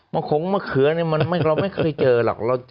มะโขงมะเขือเราไม่เคยเจอหรอก